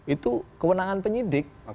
itu kewenangan penyidik